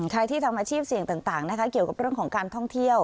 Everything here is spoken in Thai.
ใครที่ทำอาชีพเสี่ยงต่างนะคะเกี่ยวกับเรื่องของการท่องเที่ยว